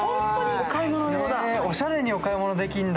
おしゃれにお買い物できるんだ。